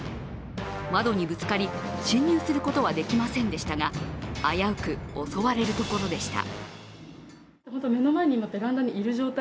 窓にぶつかり侵入することはできませんでしたが、危うく襲われるところでした。